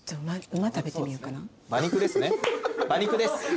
馬肉です。